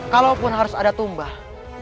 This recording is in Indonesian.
kalaupun harus ada tumbah